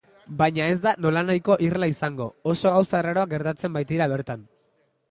Baina ez da nolanahiko irla izango, oso gauza arraroak gertatzen baitira bertan.